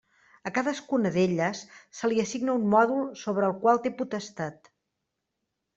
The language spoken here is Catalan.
A cadascuna d'elles se li assigna un mòdul sobre el qual té potestat.